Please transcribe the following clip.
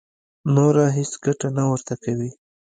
نوره هېڅ ګټه نه ورته کوي.